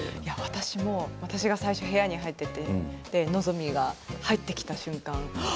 私も私が最初部屋に入っていて望海が入ってきた瞬間